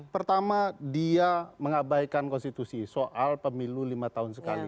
pertama dia mengabaikan konstitusi soal pemilu lima tahun sekali